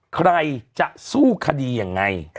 ใครจะสู้คดียังไง